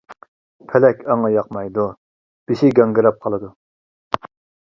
پەلەك ئاڭا ياقمايدۇ، بېشى گاڭگىراپ قالىدۇ.